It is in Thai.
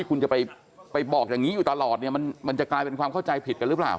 คุณจะไปบอกอย่างนี้อยู่ตลอดเนี่ยมันจะกลายเป็นความเข้าใจผิดกันหรือเปล่า